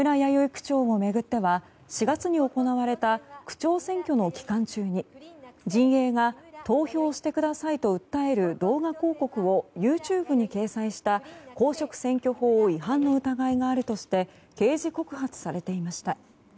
区長を巡っては４月に行われた区長選挙の期間中に陣営が投票してくださいと訴える動画広告をＹｏｕＴｕｂｅに掲載した公職選挙法違反の疑いがあるとして刑事告発されていました。